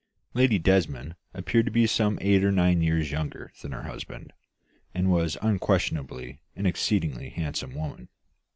Lady Desmond appeared to be some eight or nine years younger than her husband, and was unquestionably an exceedingly handsome woman.